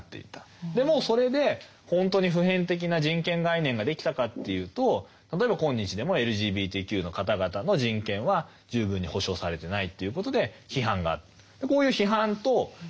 もうそれで本当に普遍的な人権概念ができたかというと例えば今日でもＬＧＢＴＱの方々の人権は十分に保証されてないということで批判がある。